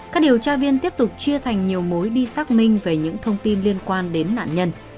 các điều tra viên tiếp tục chia thành nhiều mối đi xác minh về những thông tin liên quan đến nạn nhân